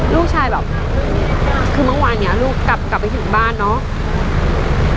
ลูกชายแบบคือเมื่อวานนี้ลูกกลับไปถึงบ้านเนาะ